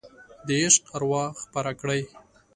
د عشق اروا خپره کړئ